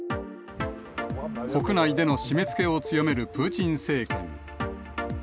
国内での締めつけを強めるプーチン政権。